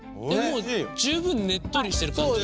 十分ねっとりしてる感じ。